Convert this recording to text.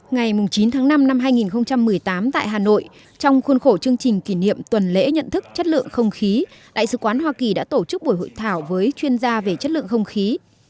ngày chín tháng năm năm hai nghìn một mươi tám tại hà nội trong khuôn khổ chương trình kỷ niệm tuần lễ nhận thức chất lượng không khí đại sứ quán hoa kỳ đã tổ chức buổi hội thảo với chuyên gia về chất lượng không khí